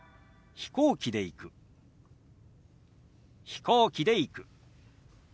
「飛行機で行く」。